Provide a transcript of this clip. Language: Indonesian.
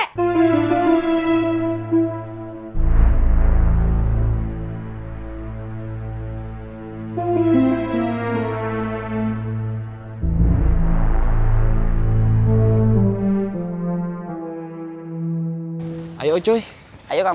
mami tuh ngajarin anak anak mami